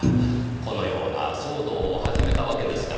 このような騒動を始めたわけですからねぇ。